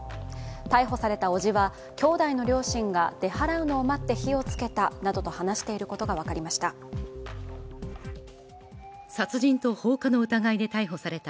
逮捕されたおじは、兄弟の両親が出払うのを待って火をつけたなどと話していることが分かりました。